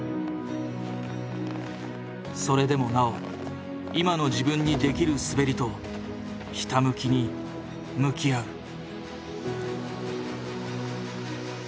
それでもなお今の自分にできる滑りとひたむきに向き合う。